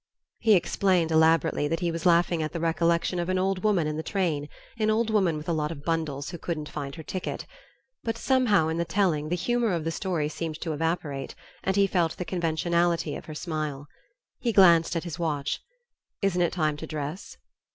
He explained, elaborately, that he was laughing at the recollection of an old woman in the train, an old woman with a lot of bundles, who couldn't find her ticket.... But somehow, in the telling, the humor of the story seemed to evaporate, and he felt the conventionality of her smile. He glanced at his watch, "Isn't it time to dress?"